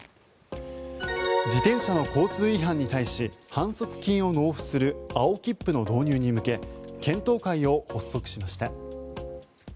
自転車の交通違反に対し反則金を納付する青切符の導入に向け検討会を発足しました。